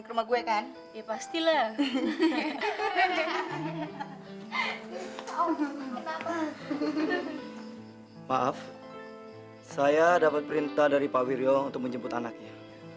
rumah gue kan ya pastilah maaf saya dapat perintah dari pak wirjo untuk menjemput anaknya